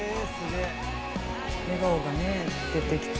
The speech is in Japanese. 笑顔がね出てきて。